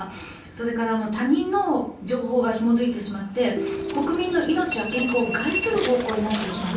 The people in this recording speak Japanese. それから他人の情報がひも付いてしまって国民の命や健康を害する方向になってしまう。